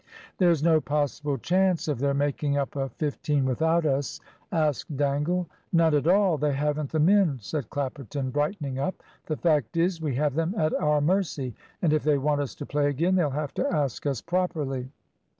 "There's no possible chance of their making up a fifteen without us?" asked Dangle. "None at all. They haven't the men," said Clapperton, brightening up. "The fact is, we have them at our mercy; and if they want us to play again they'll have to ask us properly."